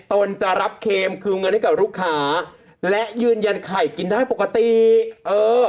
ตนจะรับเคมคืนเงินให้กับลูกค้าและยืนยันไข่กินได้ปกติเออ